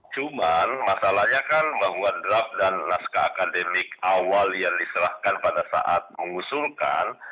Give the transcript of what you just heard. cuman masalahnya kan bahwa draft dan naskah akademik awal yang diserahkan pada saat mengusulkan